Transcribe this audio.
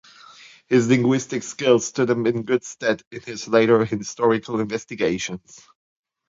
His linguistic skills stood him in good stead in his later historical investigations.